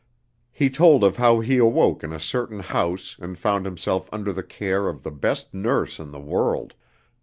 He told of how he awoke in a certain house and found himself under the care of the best nurse in the world.